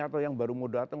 atau yang baru mau datang